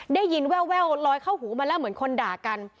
แววลอยเข้าหูมาแล้วเหมือนคนด่ากัน